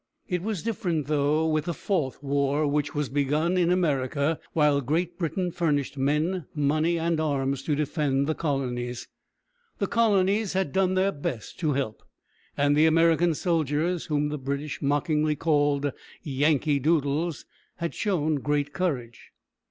It was different, though, with the fourth war, which was begun in America, while Great Britain furnished men, money, and arms to defend the colonies. The colonies had done their best to help, and the American soldiers, whom the British mockingly called "Yankee Doodles," had shown great courage.